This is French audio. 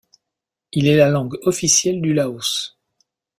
Il est la langue officielle du Laos.